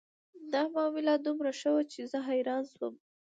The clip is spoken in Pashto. دا معامله دومره ښه وه چې زه حیرانه شوم